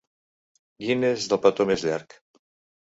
Guinness del petó més llarg.